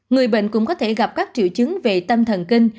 người bệnh cũng có thể gặp các triệu chứng về tâm thần kinh